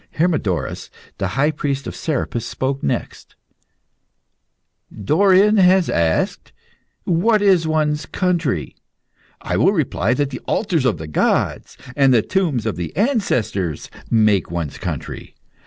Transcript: Hermodorus, the High Priest of Serapis, spoke next "Dorion has asked, 'What is one's country?' I will reply that the altars of the gods and the tombs of ancestors make one's country.